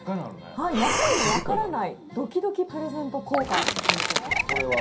中身の分からないドキドキプレゼント交換ということで。